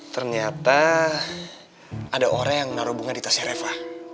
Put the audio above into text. ternyata ada orang yang naro bunga di tasnya reva